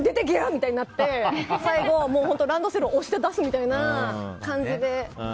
みたいになって最後、ランドセルを押して出すみたいな感じで。